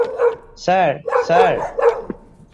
Sir, sir.